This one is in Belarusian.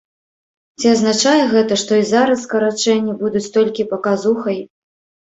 Ці азначае гэта, што і зараз скарачэнні будуць толькі паказухай?